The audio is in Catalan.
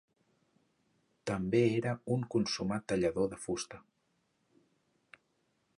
També era un consumat tallador de fusta.